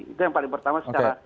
itu yang paling pertama secara